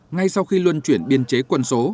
ngay sau khi luân chuyển biên chế quân số